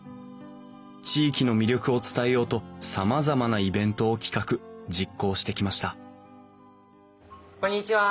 地域の魅力を伝えようとさまざまなイベントを企画実行してきましたこんにちは。